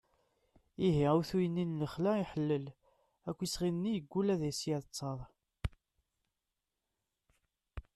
ihi awtul-nni n lexla iḥellel akk isɣi-nni yeggul ad as-d-yerr ttar